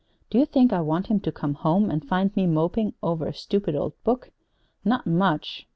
Do you think I want him to come home and find me moping over a stupid old book? Not much!